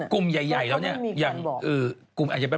กลุ่มใหญ่แล้วอย่าง